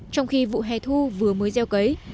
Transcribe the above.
trong khi vụ hẻ thu vừa mới gieo cấy